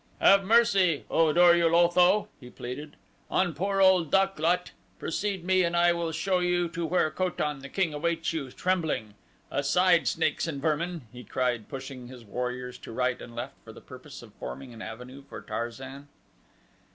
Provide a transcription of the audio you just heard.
"Have mercy, O Dor ul Otho," he pleaded, "on poor old Dak lot. Precede me and I will show you to where Ko tan, the king, awaits you, trembling. Aside, snakes and vermin," he cried pushing his warriors to right and left for the purpose of forming an avenue for Tarzan.